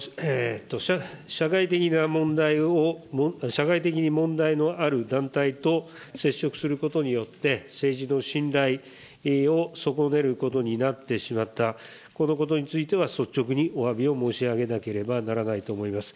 社会的に問題のある団体と接触することによって、政治の信頼を損ねることになってしまった、このことについては率直におわびを申し上げなければならないと思います。